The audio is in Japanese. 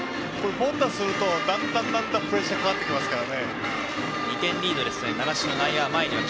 凡打するとだんだんプレッシャーかかってきますから。